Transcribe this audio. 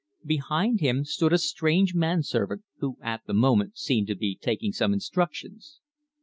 Behind him stood a strange man servant, who at the moment seemed to be taking some instructions.